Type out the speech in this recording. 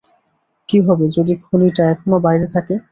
কি হবে যদি খুনি টা এখনো বাইরে থাকে?